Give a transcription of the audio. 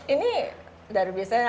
ini dari biasanya